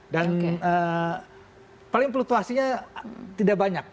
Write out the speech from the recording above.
dan paling flutuasinya tidak banyak